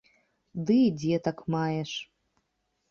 Ды і дзетак маеш.